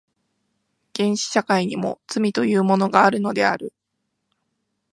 原始社会にも罪というものがあるのである。